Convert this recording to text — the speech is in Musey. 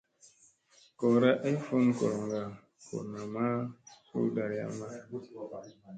Goora ay fun goloŋga ,goo mambo suu ndariyamma.